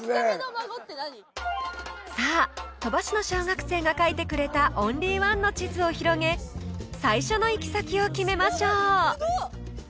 さあ鳥羽市の小学生が描いてくれたオンリーワンの地図を広げ最初の行き先を決めましょう！